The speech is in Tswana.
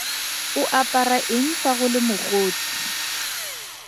O apara eng fa go le mogote?